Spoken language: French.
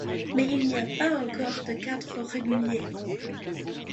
Mais il n’y a pas encore de cadres réguliers.